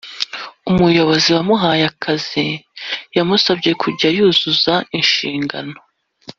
umuyobozi wamuhaye akazi yamusabye kuzuza inshingano